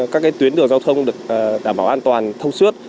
các tuyến đường giao thông được đảm bảo an toàn thông suốt